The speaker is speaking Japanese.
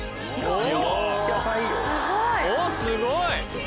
おぉすごい！